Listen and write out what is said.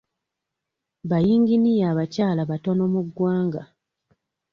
Bayinginiya abakyala batono mu ggwanga.